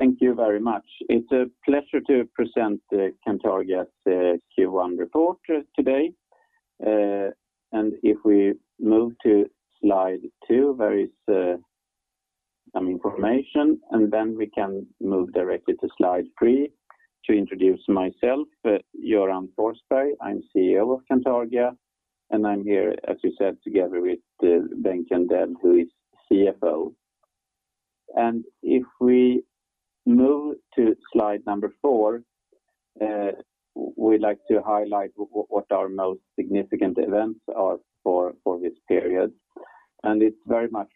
Thank you very much. It's a pleasure to present the Cantargia Q1 report today. If we move to slide two, there is some information, and then we can move directly to slide three to introduce myself, Göran Forsberg. I am CEO of Cantargia, and I am here, as we said, together with Bengt Candell, who is CFO. If we move to slide number four, we like to highlight what our most significant events are for this period. Very much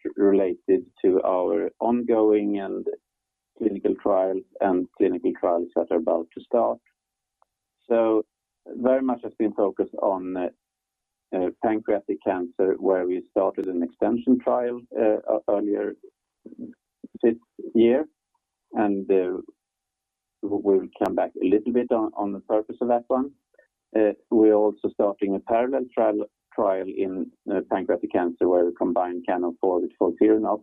has been focused on pancreatic cancer, where we started an extension trial earlier this year, and we will come back a little bit on the purpose of that one. We're also starting a parallel trial in pancreatic cancer where we combine CAN-04 with FOLFIRINOX,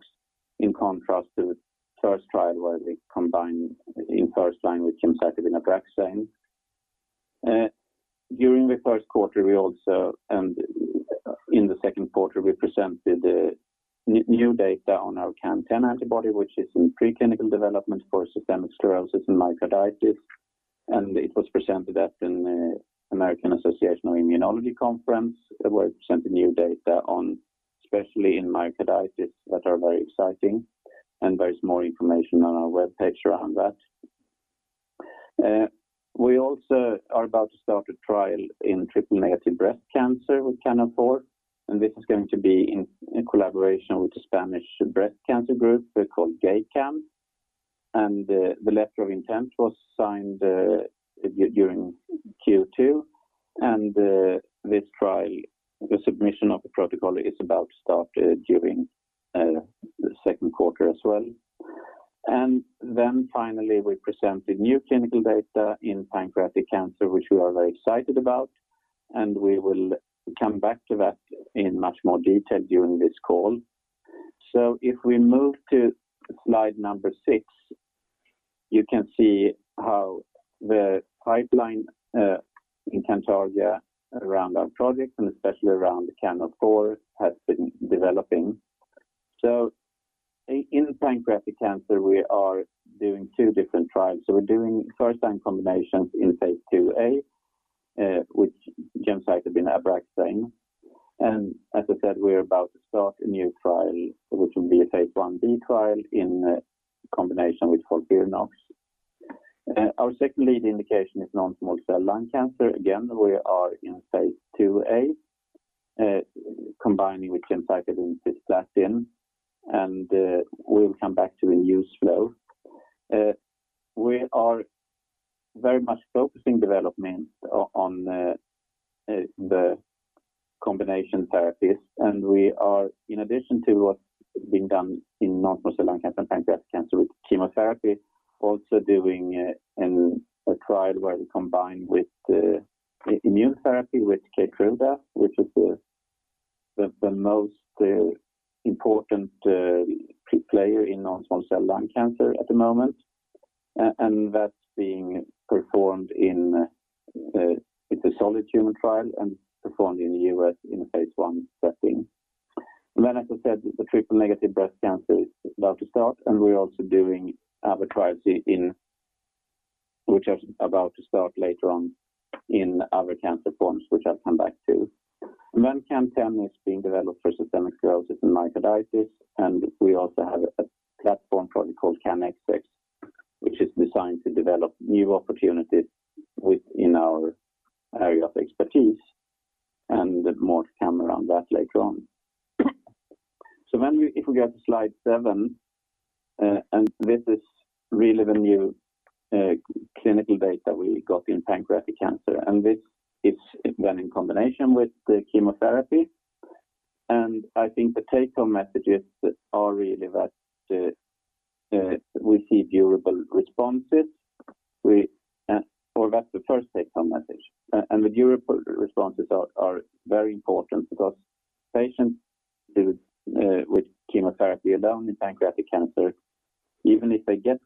in contrast to the first trial where we combined in first line with gemcitabine and Abraxane. During the first quarter, and in the second quarter, we presented new data on our CAN-10 antibody, which is in preclinical development for systemic sclerosis and myocarditis. It was presented at an American Association of Immunologists conference. We're presenting new data, especially in myocarditis, that are very exciting. There's more information on our webpage around that. We also are about to start a trial in triple-negative breast cancer with CAN-04. This is going to be in collaboration with the Spanish breast cancer group called GEICAM. The letter of intent was signed during Q2. This trial, the submission of the protocol, is about to start during the second quarter as well. Finally, we presented new clinical data in pancreatic cancer, which we are very excited about, and we will come back to that in much more detail during this call. If we move to slide number six, you can see how the pipeline in Cantargia around our projects, and especially around CAN-04, has been developing. In pancreatic cancer, we are doing two different trials. We're doing first-line combinations in phase II-A, with gemcitabine Abraxane. As I said, we're about to start a new trial, which will be a phase I-B trial in combination with FOLFIRINOX. Our second lead indication is non-small cell lung cancer. Again, we are in phase II-A, combining with gemcitabine cisplatin, and we'll come back to the news flow. We are very much focusing development on the combination therapies. We are, in addition to what's been done in non-small cell lung cancer and pancreatic cancer with chemotherapy, also doing a trial where we combine with immunotherapy with KEYTRUDA, which is the most important player in non-small cell lung cancer at the moment. That's being performed in the solid tumor trial and performed in the U.S. in a phase I setting. As I said, the triple-negative breast cancer is about to start, and we're also doing other trials which are about to start later on in other cancer forms, which I'll come back to. CAN-10 is being developed for systemic sclerosis and myocarditis. We also have a platform product called CANxx, which is designed to develop new opportunities within our area of expertise. More to come around that later on. If we go to slide seven, this is really the new clinical data we got in pancreatic cancer, and this is done in combination with chemotherapy. I think the take-home messages are really that we see durable responses. That's the first take-home message. The durable responses are very important because patients with chemotherapy alone in pancreatic cancer, even if they get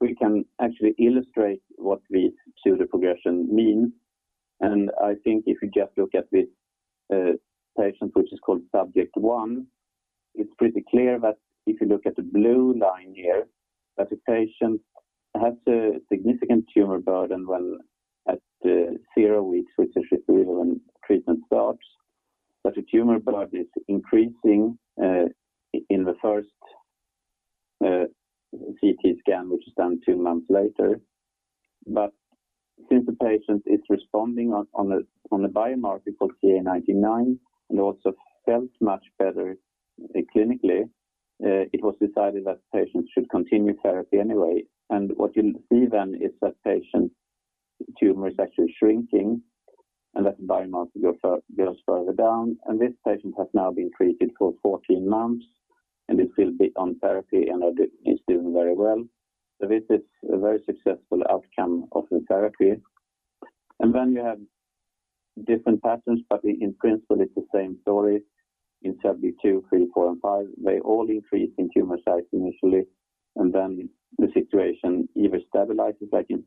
we can actually illustrate what this pseudoprogression means. I think if you just look at this patient, which is called subject one, it's pretty clear that if you look at the blue line here, that the patient has a significant tumor burden when at the zero week, which is usually when treatment starts. The tumor burden is increasing in the first CT scan, which is done two months later. Since the patient is responding on the biomarker called CA19-9, and also felt much better clinically, it was decided that the patient should continue therapy anyway. What you'll see then is that patient's tumor is actually shrinking and that biomarker goes further down. This patient has now been treated for 14 months, and is still on therapy and is doing very well. This is a very successful outcome of the therapy. You have different patterns, but in principle, it's the same story in subject two, three, four, and five. They all increase in tumor size initially, and then the situation either stabilizes like in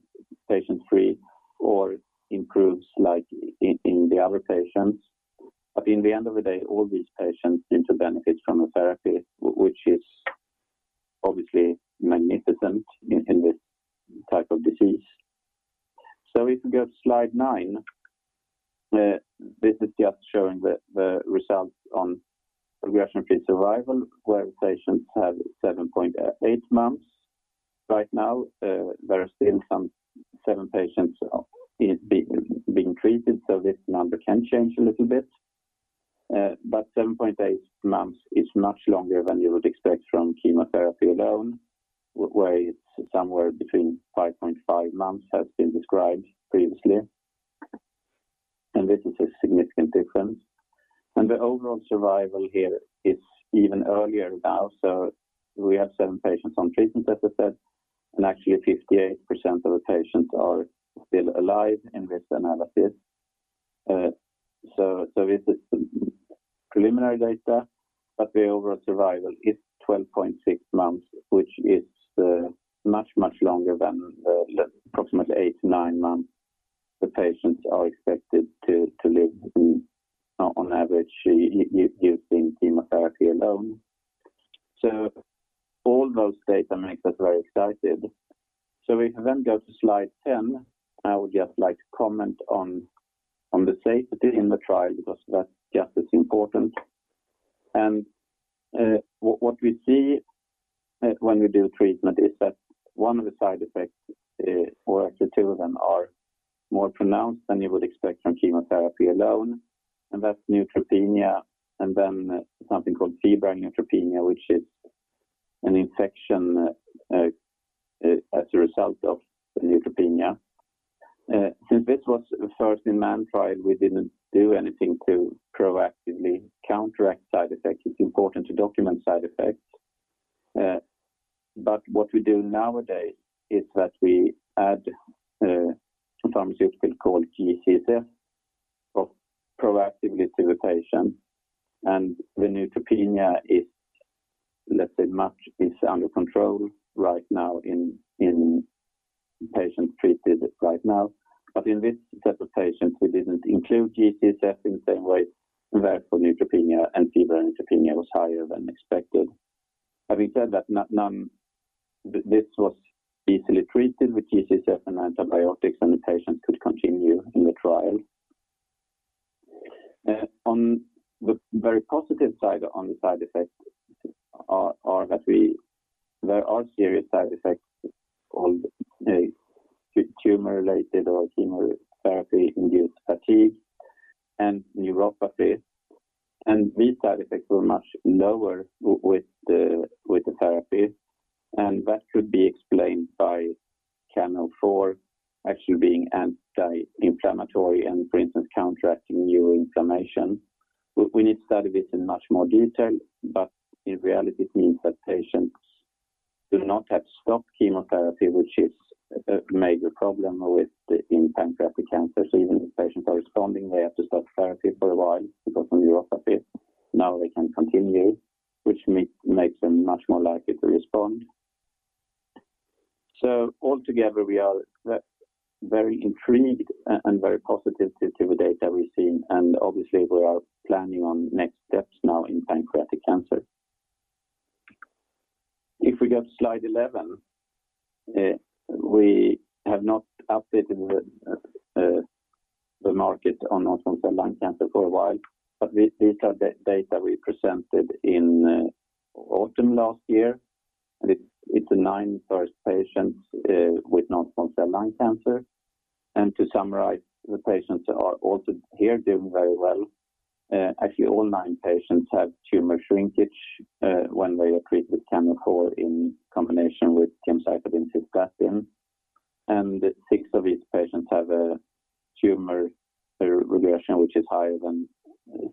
patient three or improves like in the other patients. In the end of the day, all these patients seem to benefit from the therapy, which is obviously magnificent in this type of disease. If you go to slide nine, this is just showing the results on progression-free survival, where patients have 7.8 months. Right now, there are still some seven patients being treated, so this number can change a little bit. 7.8 months is much longer than you would expect from chemotherapy alone, where it's somewhere between 5.5 months has been described previously. This is a significant difference. The overall survival here is even earlier now. We have seven patients on treatment, as I said, and actually 58% of the patients are still alive in this analysis. This is preliminary data, but the overall survival is 12.6 months, which is much, much longer than approximately eight to nine months the patients are expected to live on average using chemotherapy alone. All those data makes us very excited. If we then go to slide 10, I would just like to comment on the safety in the trial, because that's just as important. What we see when we do treatment is that one of the side effects, or actually two of them, are more pronounced than you would expect from chemotherapy alone, and that's neutropenia, and then something called febrile neutropenia, which is an infection as a result of the neutropenia. Since this was the first-in-man trial, we didn't do anything to proactively counteract side effects. It's important to document side effects. What we do nowadays is that we add some pharmaceutical called G-CSF of proactively to the patient, and the neutropenia is, let's say, much is under control right now in patients treated right now. In this set of patients, we didn't include G-CSF in the same way, and therefore neutropenia and febrile neutropenia was higher than expected. Having said that, this was easily treated with G-CSF and antibiotics, and the patients could continue in the trial. On the very positive side on the side effects are that there are serious side effects on tumor-related or chemotherapy-induced fatigue and neuropathy, and these side effects were much lower with the therapy, and that could be explained by CAN-04 actually being anti-inflammatory and, for instance, counteracting neuroinflammation. We need to study this in much more detail, but in reality, it means that patients do not have to stop chemotherapy, which is a major problem with in pancreatic cancer. Even if patients are responding, they have to stop therapy for a while because of neuropathy. Now they can continue, which makes them much more likely to respond. Altogether, we are very intrigued and very positive to see the data we've seen, and obviously, we are planning on next steps now in pancreatic cancer. If we go to slide 11, we have not updated the market on non-small cell lung cancer for a while, but these are data we presented in autumn last year, and it's nine first patients with non-small cell lung cancer. To summarize, the patients are also here doing very well. Actually, all nine patients had tumor shrinkage when they were treated with CAN-04 in combination with gemcitabine/cisplatin. Six of these patients have a tumor regression which is higher than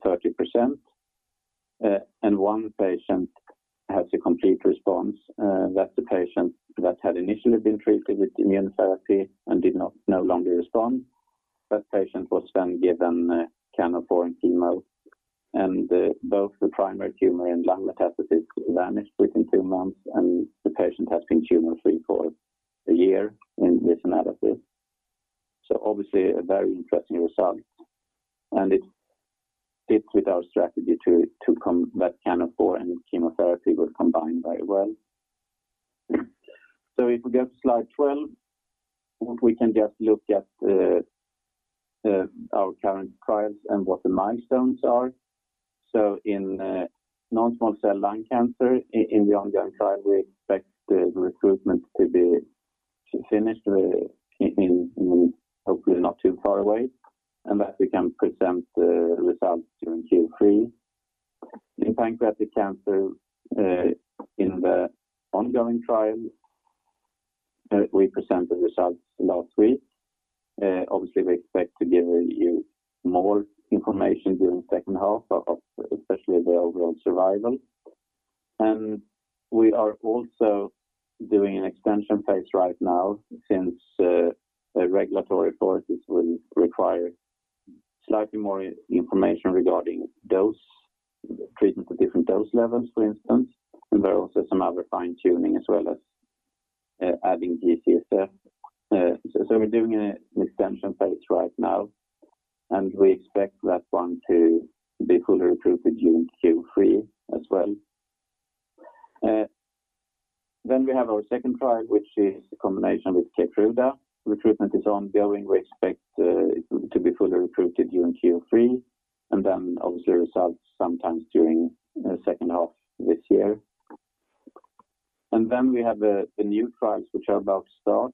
30%. One patient has a complete response. That's the patient that had initially been treated with immune therapy and no longer respond. That patient was then given CAN-04 and chemo, and both the primary tumor and lung metastasis vanished within two months, and the patient has been tumor-free for a year in this analysis. Obviously, a very interesting result, and it fits with our strategy too, that CAN-04 and chemotherapy were combined very well. If we go to slide 12, we can just look at our current trials and what the milestones are. In non-small cell lung cancer, in the ongoing trial, we expect the recruitment to be finished in hopefully not too far away, and that we can present the results during Q3. In pancreatic cancer, in the ongoing trial, we presented results last week. Obviously, we expect to give you more information during the second half, especially the overall survival. We are also doing an extension phase right now since the regulatory authorities will require slightly more information regarding treatment to different dose levels, for instance. There are also some other fine-tuning as well as adding CMC stuff. We're doing an extension phase right now, and we expect that one to be fully recruited during Q3 as well. We have our second trial, which is a combination with KEYTRUDA. Recruitment is ongoing. We expect to be fully recruited during Q3, obviously results sometime during the second half of this year. We have the new trials which are about to start.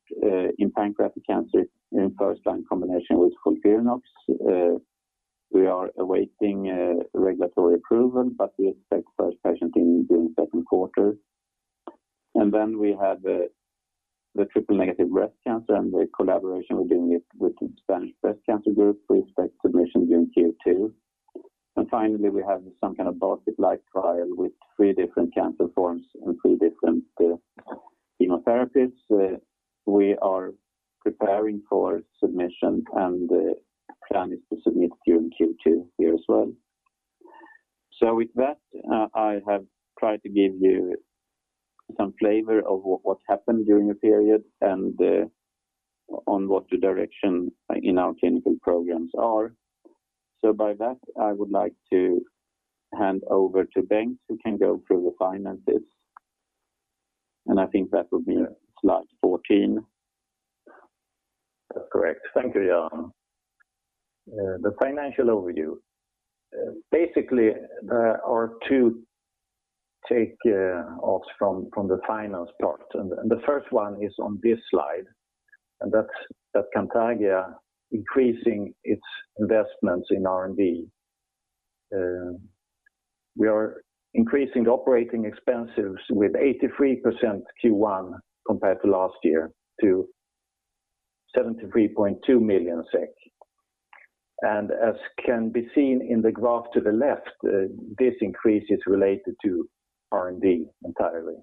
In pancreatic cancer in first-line combination with FOLFIRINOX. We are awaiting regulatory approval, we expect first patients in during second quarter. We have the triple-negative breast cancer and the collaboration. We are doing it with the Spanish Breast Cancer Group. We expect submission during Q2. Finally, we have some kind of basket life trial with three different cancer forms and three different chemotherapies. We are preparing for submission, the plan is to submit during Q2 here as well. With that, I have tried to give you some flavor of what happened during the period and on what the direction in our clinical programs are. By that, I would like to hand over to Bengt, who can go through the finances. I think that would be slide 14. Correct. Thank you, Göran Forsberg. The financial overview. There are two takeoffs from the finance part, the first one is on this slide, and that's Cantargia increasing its investments in R&D. We are increasing operating expenses with 83% Q1 compared to last year to 73.2 million SEK. As can be seen in the graph to the left, this increase is related to R&D entirely.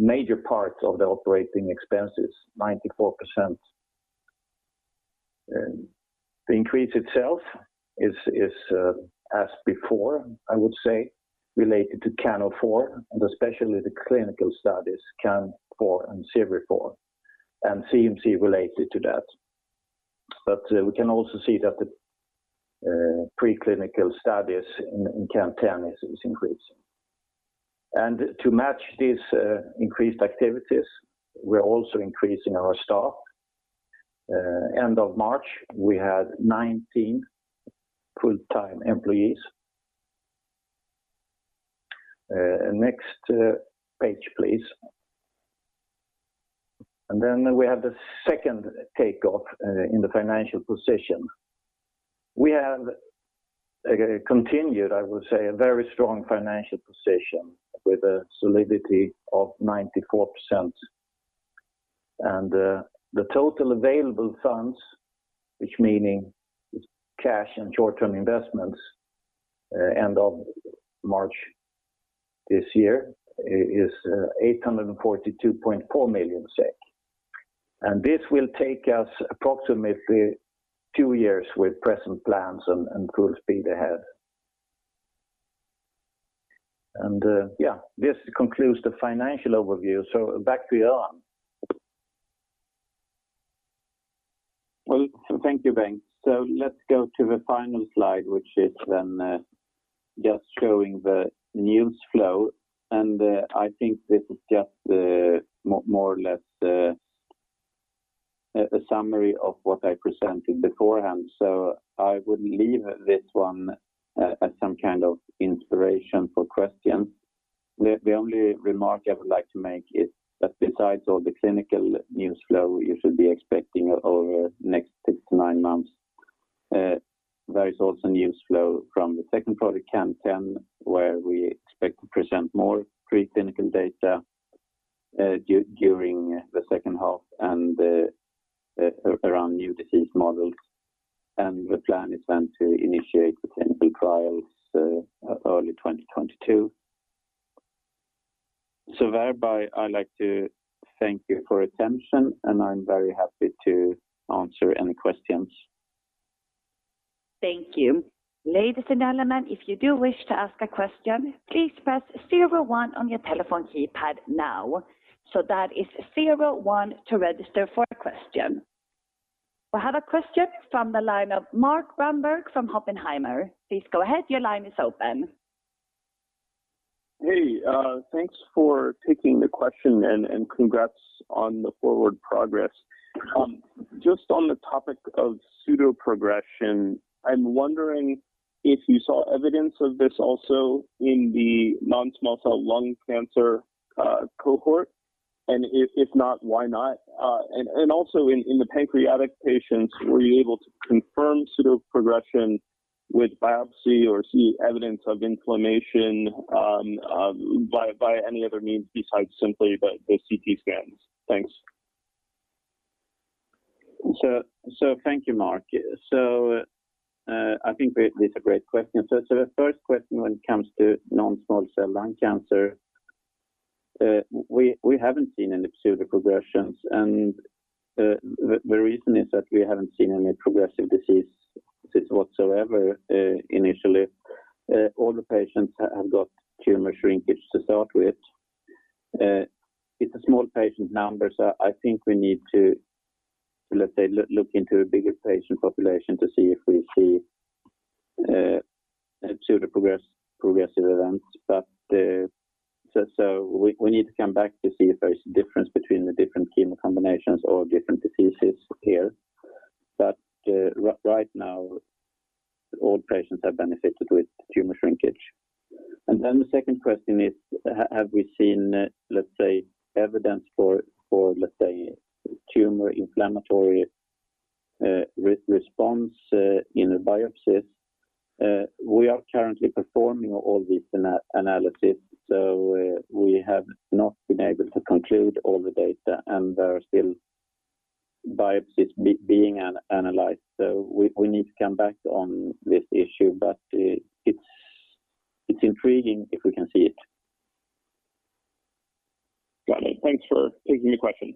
The R&D also accounts for the major parts of the operating expenses, 94%. The increase itself is as before, I would say, related to CAN-04, and especially the clinical studies, CAN-04 and CIRIFOUR, and CMC related to that. We can also see that the preclinical studies in CAN-10 is increasing. To match these increased activities, we're also increasing our staff. End of March, we had 19 full-time employees. Next page, please. We have the second takeoff in the financial position. We have continued, I would say, a very strong financial position with a solidity of 94%. The total available funds, which meaning cash and short-term investments end of March this year, is 842.4 million SEK. This will take us approximately two years with present plans and full speed ahead. This concludes the financial overview. Back to Göran. Well, thank you, Bengt. Let's go to the final slide, which is then just showing the news flow. I think this is just more or less a summary of what I presented beforehand. I would leave this one as some kind of inspiration for questions. The only remark I would like to make is that besides all the clinical news flow you should be expecting over the next six to nine months. There is also news flow from the second product, CAN-10, where we expect to present more pre-clinical data during the second half and around new disease models. The plan is then to initiate the clinical trials early 2022. Thereby, I'd like to thank you for attention, and I'm very happy to answer any questions. Thank you. Ladies and gentlemen, if you do wish to ask a question, please press zero one on your telephone keypad now. That is zero one to register for a question. We have a question from the line of Mark Ramberg from Oppenheimer. Please go ahead. Your line is open. Hey, thanks for taking the question, and congrats on the forward progress. Just on the topic of pseudoprogression, I'm wondering if you saw evidence of this also in the non-small cell lung cancer cohort, and if not, why not? Also in the pancreatic patients, were you able to confirm pseudoprogression with biopsy or see evidence of inflammation by any other means besides simply the CT scans? Thanks. Thank you, Mark. I think these are great questions. The first question, when it comes to non-small cell lung cancer, we haven't seen any pseudoprogression. The reason is that we haven't seen any progressive disease whatsoever initially. All the patients have got tumor shrinkage to start with. It's a small patient number, so I think we need to, let's say, look into a bigger patient population to see if we see pseudo progressive events. We need to come back to see if there's a difference between the different chemo combinations or different diseases here. Right now, all patients have benefited with tumor shrinkage. The second question is, have we seen, let's say, evidence for tumor inflammatory response in biopsies? We are currently performing all these analyses, so we have not been able to conclude all the data, and there are still biopsies being analyzed. We need to come back on this issue. It's intriguing if we can see it. Got it. Thanks for taking the question.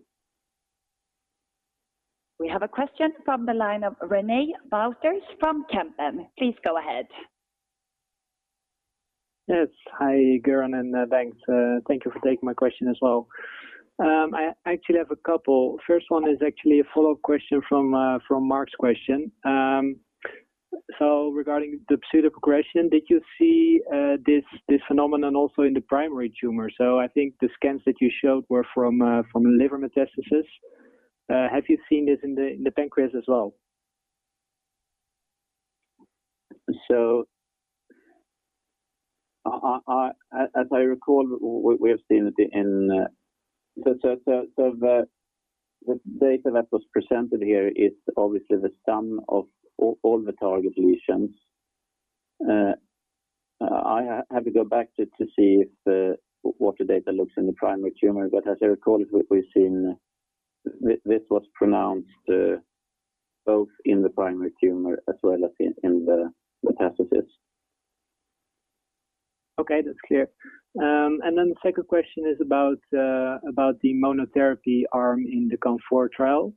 We have a question from the line of René Bouwman from Kempen. Please go ahead. Yes. Hi, Göran, and thanks. Thank you for taking my question as well. I actually have a couple. First one is actually a follow-up question from Mark's question. Regarding the pseudoprogression, did you see this phenomenon also in the primary tumor? I think the scans that you showed were from liver metastasis. Have you seen this in the pancreas as well? As I recall, the data that was presented here is obviously the sum of all the target lesions. I have to go back just to see what the data looks in the primary tumor. As I recall, we've seen this was pronounced both in the primary tumor as well as in the metastasis. Okay. That's clear. The second question is about the monotherapy arm in the CANFOUR trial.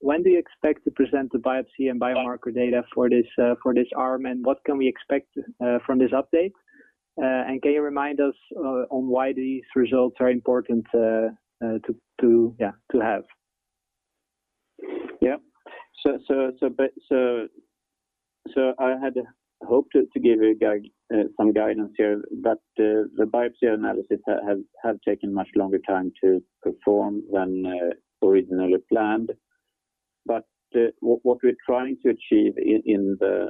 When do you expect to present the biopsy and biomarker data for this arm, and what can we expect from this update? Can you remind us on why these results are important to have? Yeah. I had hoped just to give you some guidance here, but the biopsy analysis has taken much longer time to perform than originally planned. What we're trying to achieve in the,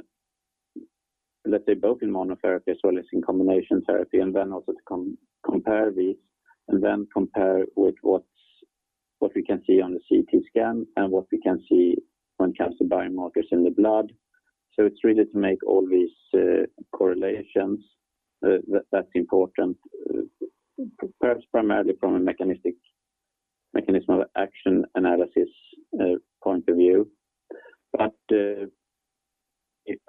let's say, both in monotherapy as well as in combination therapy, and then also to compare these, and then compare with what we can see on the CT scan and what we can see when it comes to biomarkers in the blood. It's really to make all these correlations that's important. First, primarily from a mechanistic action analysis point of view.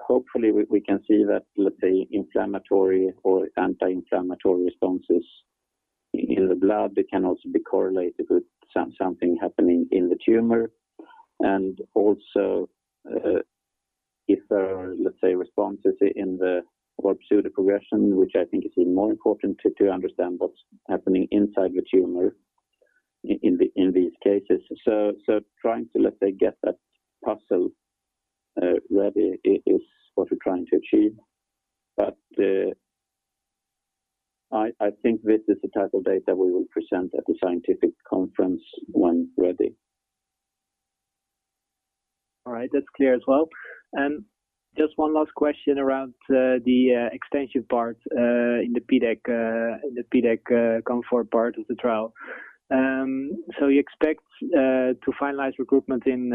Hopefully we can see that the inflammatory or anti-inflammatory responses in the blood can also be correlated with something happening in the tumor. Also, if there are, let's say, responses in the pseudoprogression, which I think is even more important to understand what's happening inside the tumor in these cases. Trying to, let's say, get that puzzle ready is what we're trying to achieve. I think this is the type of data we will present at the scientific conference when ready. All right. That's clear as well. Just one last question around the extension part in the PDAC CANFOUR part of the trial. You expect to finalize recruitment in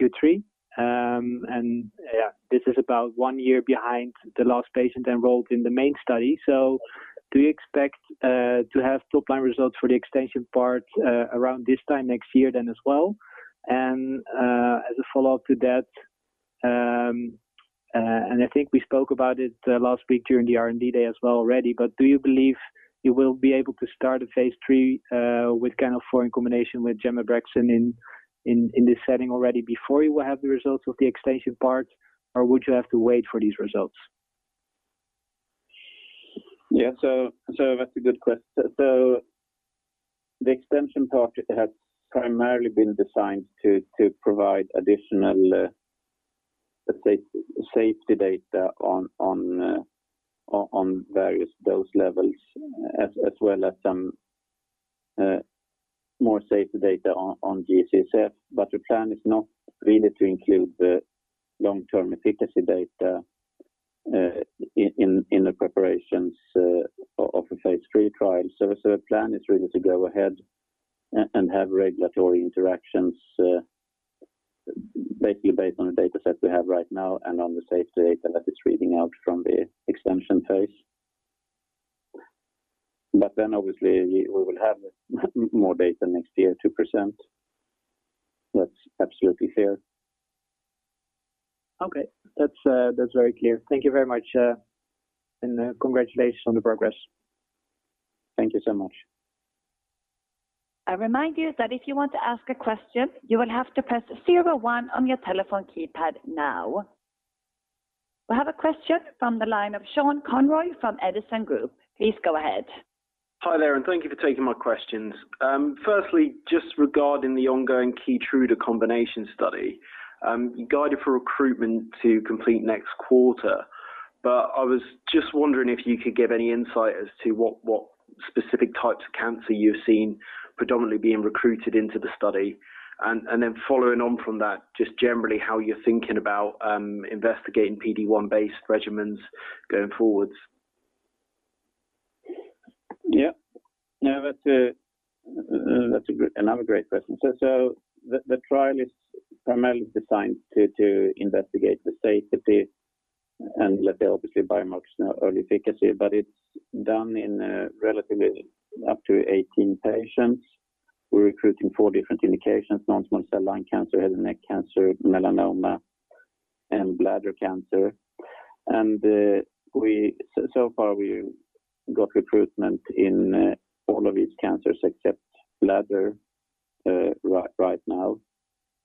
Q3, and this is about one year behind the last patient enrolled in the main study. Do you expect to have top-line results for the extension part around this time next year then as well? As a follow-up to that, I think we spoke about it last week during the R&D Day as well already, do you believe you will be able to start a phase III with CANFOUR in combination with gemcitabine in this setting already before you will have the results of the extension part, or would you have to wait for these results? Yeah. That's a good question. The extension part has primarily been designed to provide additional, let's say, safety data on various dose levels as well as some more safety data on G-CSF. The plan is not really to include the long-term efficacy data in the preparations of a phase III trial. The plan is really to go ahead and have regulatory interactions basically based on the data set we have right now and on the safety data that is reading out from the extension phase. Obviously, we will have more data next year to present. That's absolutely fair. Okay. That's very clear. Thank you very much, and congratulations on the progress. Thank you so much. I remind you that if you want to ask a question, you will have to press zero one on your telephone keypad now. We have a question from the line of Sean Conroy from Edison Group. Please go ahead. Hi there, thank you for taking my questions. Firstly, just regarding the ongoing KEYTRUDA combination study. You guided for recruitment to complete next quarter, I was just wondering if you could give any insight as to what specific types of cancer you've seen predominantly being recruited into the study. Following on from that, just generally how you're thinking about investigating PD-1-based regimens going forwards. Yeah. That's another great question. The trial is primarily designed to investigate the safety and let's say, obviously biomarkers and early efficacy, but it's done in relatively up to 18 patients. We're recruiting four different indications, non-small cell lung cancer, head and neck cancer, melanoma, and bladder cancer. So far, we got recruitment in all of these cancers except bladder right now.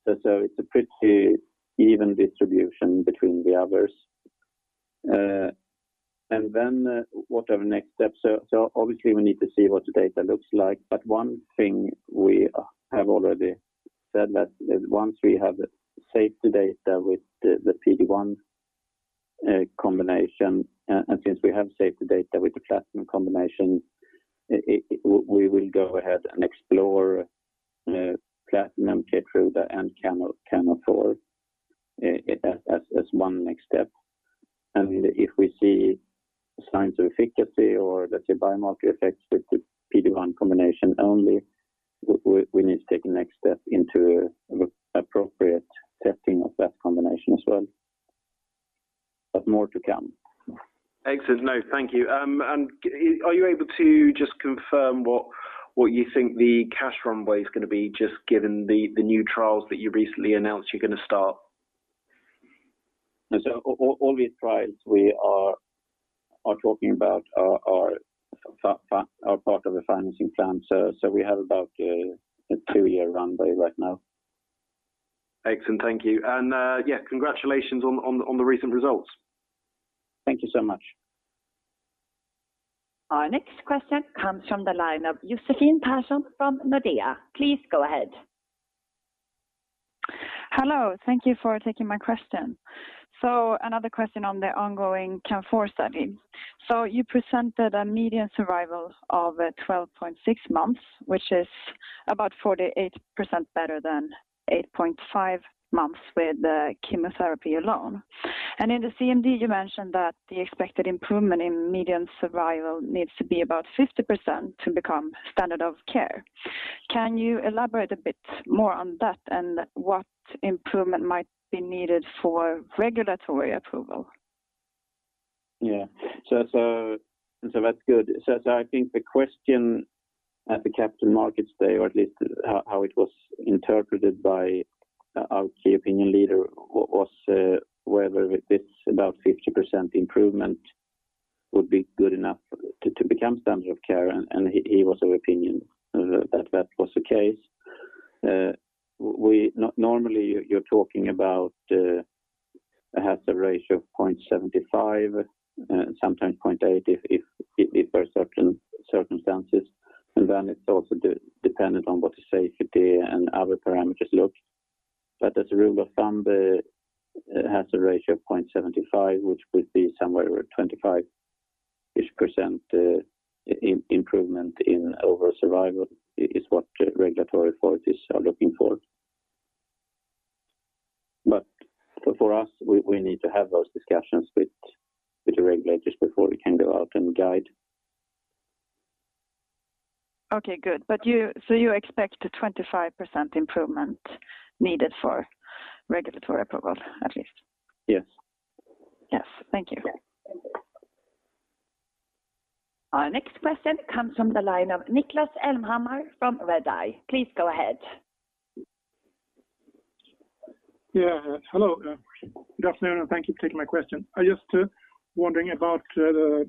It's a pretty even distribution between the others. What are the next steps? Obviously we need to see what the data looks like, but one thing we have already said that once we have the safety data with the PD-1 combination, and since we have safety data with the platinum combination, we will go ahead and explore platinum, KEYTRUDA and CANFOUR as one next step. If we see signs of efficacy or let's say biomarker effects with the PD-1 combination only, we need to take the next step into appropriate testing of that combination as well, but more to come. Excellent. No, thank you. Are you able to just confirm what you think the cash runway is going to be, just given the new trials that you recently announced you're going to start? All these trials we are talking about are part of a financing plan. We have about a two-year runway right now. Excellent. Thank you. Yeah, congratulations on the recent results. Thank you so much. Our next question comes from the line of Josefine Persson from Nordea. Please go ahead. Hello. Thank you for taking my question. Another question on the ongoing CANFOUR study. You presented a median survival of 12.6 months, which is about 48% better than 8.5 months with the chemotherapy alone. In the CMD, you mentioned that the expected improvement in median survival needs to be about 50% to become standard of care. Can you elaborate a bit more on that and what improvement might be needed for regulatory approval? Yeah. That's good. I think the question at the Capital Markets Day, or at least how it was interpreted by our key opinion leader, was whether with this about 50% improvement would be good enough to become standard of care, and he was of opinion that that was the case. Normally, you're talking about hazard ratio of 0.75, sometimes 0.8 if for certain circumstances, and then it's also dependent on what the safety and other parameters look. As a rule of thumb, the hazard ratio of 0.75, which would be somewhere over 25% present the improvement in overall survival is what regulatory authorities are looking for. For us, we need to have those discussions with the regulators before we can go out and guide. Okay, good. You expect a 25% improvement needed for regulatory approval, at least? Yes. Yes. Thank you. Our next question comes from the line of Niklas Elmhammer from Redeye. Please go ahead. Yeah. Hello. Good afternoon. Thank you for taking my question. I am just wondering about the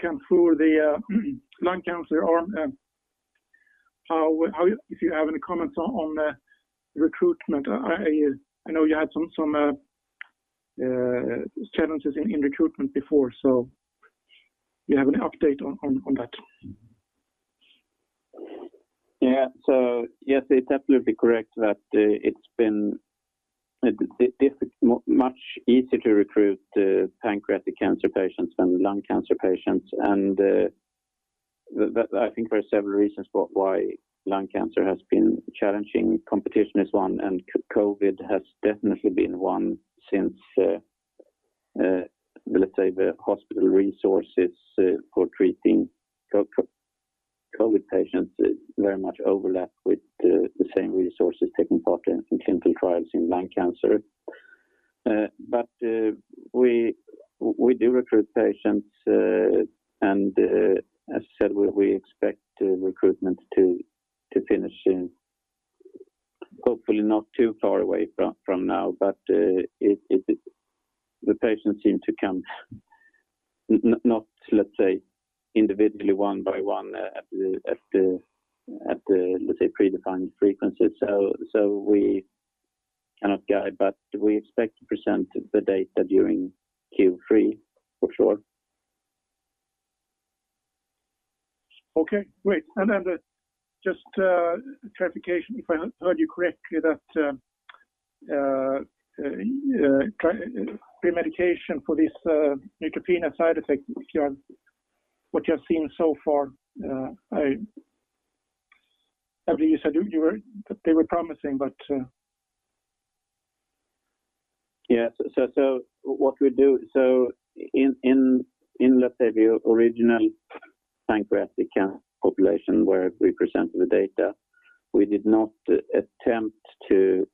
cancer or the lung cancer arm, if you have any comments on the recruitment. I know you had some challenges in recruitment before, do you have any update on that? Yes, it's definitely correct that it's much easier to recruit the pancreatic cancer patients than lung cancer patients. I think there are several reasons why lung cancer has been challenging. Competition is one, and COVID has definitely been one since, let's say, the hospital resources for treating COVID patients very much overlap with the same resources taking part in clinical trials in lung cancer. We do recruit patients, and as said, we expect recruitment to finish in hopefully not too far away from now. The patients seem to come not, let's say, individually one by one at the, let's say, predefined frequency. We cannot guide, but we expect to present the data during Q3 for sure. Okay, great. Just clarification if I heard you correctly that premedication for this neutropenia side effect, what you have seen so far, I believe you said they were promising. Yes. What we do, in, let's say, the original pancreatic cancer population where we present the data, we did not attempt to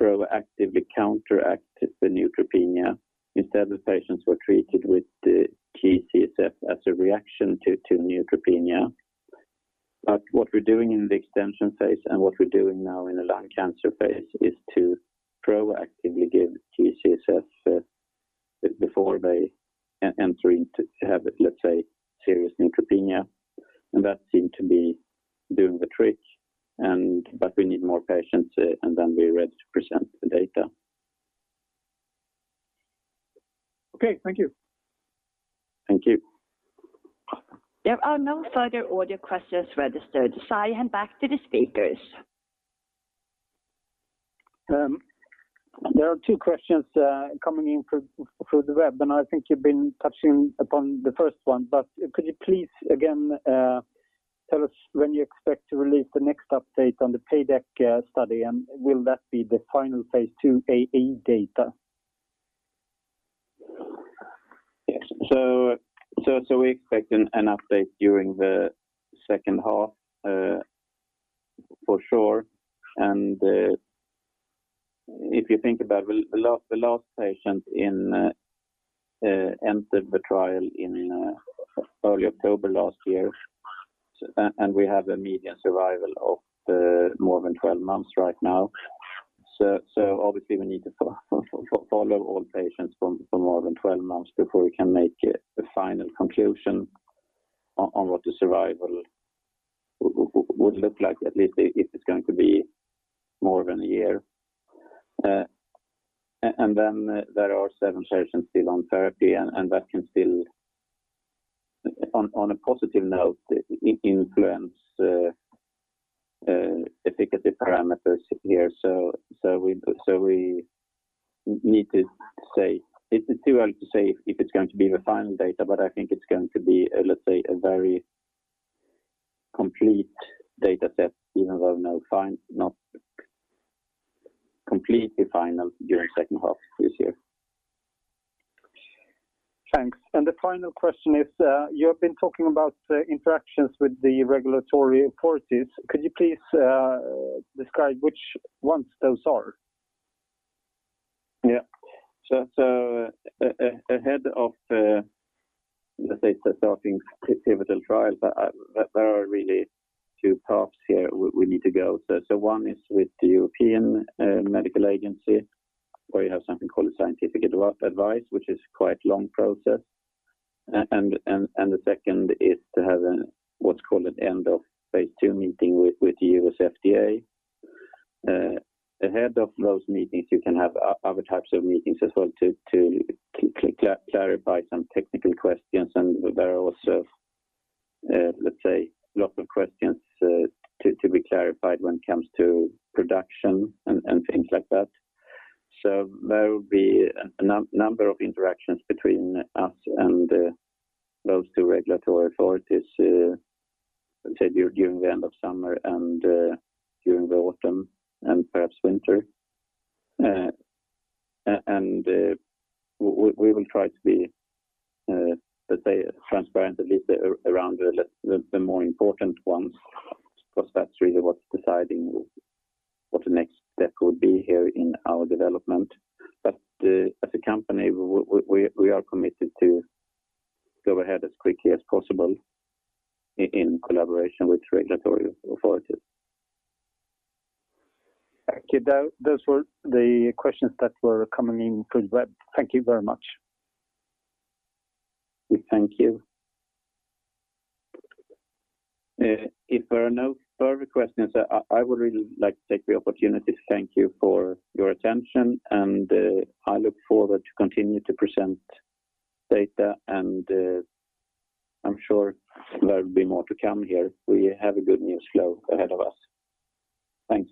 proactively counteract the neutropenia. Instead, the patients were treated with G-CSF as a reaction to neutropenia. What we're doing in the extension phase and what we're doing now in the lung cancer phase is to proactively give G-CSF before they enter into, let's say, serious neutropenia. That seemed to be doing the trick. We need more patients, then we're ready to present the data. Okay. Thank you. Thank you. There are no further audio questions registered, so I hand back to the speakers. There are two questions coming in through the web, and I think you've been touching upon the first one. Could you please again tell us when you expect to release the next update on the PDAC study, and will that be the final phase IIa data? Yeah. We're expecting an update during the second half for sure. If you think about it, the last patient entered the trial in early October last year. We have a median survival of more than 12 months right now. Obviously we need to follow all patients for more than 12 months before we can make the final conclusion on what the survival would look like if it's going to be more than a year. Then there are seven patients still on therapy, and that can still, on a positive note, influence efficacy parameters here. We need to say it's too early to say if it's going to be the final data, but I think it's going to be, let's say, a very complete data set even though not completely final during the second half of this year. Thanks. The final question is you've been talking about interactions with the regulatory authorities. Could you please describe which ones those are? Yeah. Ahead of, let's say, starting pivotal trials, there are really two paths here we need to go. One is with the European Medicines Agency where you have something called a scientific advice, which is quite long process. The second is to have what's called an end of phase II meeting with U.S. FDA. Ahead of those meetings, you can have other types of meetings as well to clarify some technical questions, and there are also, let's say, lots of questions to be clarified when it comes to production and things like that. There will be a number of interactions between us and those two regulatory authorities, let's say, during the end of summer and during the autumn and perhaps winter. We will try to be, let's say, transparent at least around the more important ones because that's really what's deciding what the next step will be here in our development. As a company, we are committed to go ahead as quickly as possible in collaboration with regulatory authorities. Okay. Those were the questions that were coming in through the web. Thank you very much. Thank you. If there are no further questions, I would really like to take the opportunity to thank you for your attention. I look forward to continue to present data, and I'm sure there'll be more to come here. We have a good news flow ahead of us. Thanks.